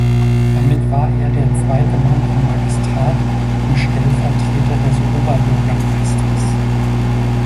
Damit war er der zweite Mann im Magistrat und Stellvertreter des Oberbürgermeisters.